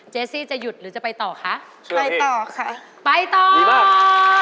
ซี่จะหยุดหรือจะไปต่อคะไปต่อค่ะไปต่อดีกว่า